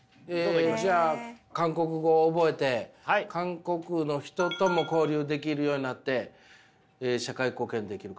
えじゃあ韓国語を覚えて韓国の人とも交流できるようになって社会貢献できるかもしれない。